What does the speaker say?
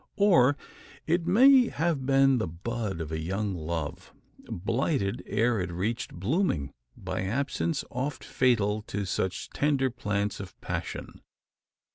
Or it may have been the bud of a young love, blighted ere it reached blooming by absence, oft fatal to such tender plants of passion?